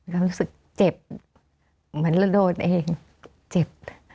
เรารู้สึกเจ็บเหมือนเราโดนเองเจ็บ